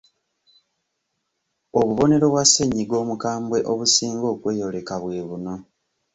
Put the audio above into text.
Obubonero bwa ssennyiga omukambwe obusinga okweyoleka bwe buno: